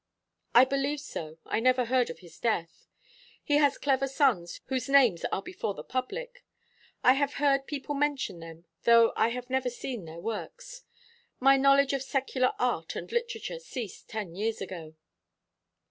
"I believe so. I never heard of his death. He has clever sons whose names are before the public. I have heard people mention them, though I have never seen their works. My knowledge of secular art and literature ceased ten years ago."